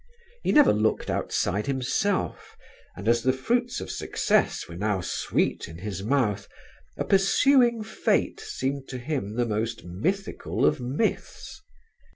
He never looked outside himself, and as the fruits of success were now sweet in his mouth, a pursuing Fate seemed to him the most mythical of myths.